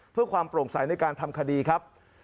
เพื่อความโปร่งใสในการทำคดีครับ